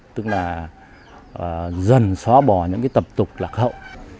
tức là dần xóa bỏ những cái tập tục lạc hậu